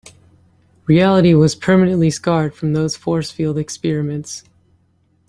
Reality was permanently scarred from those force field experiments.